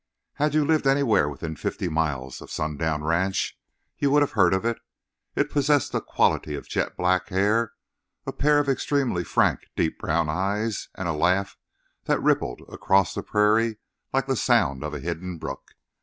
Had you lived anywhere within fifty miles of Sundown Ranch you would have heard of it. It possessed a quantity of jet black hair, a pair of extremely frank, deep brown eyes and a laugh that rippled across the prairie like the sound of a hidden brook.